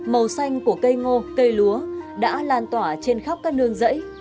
màu xanh của cây ngô cây lúa đã lan tỏa trên khắp các nương rẫy